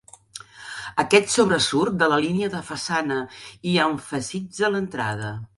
Aquest sobresurt de la línia de façana i emfasitza l'entrada.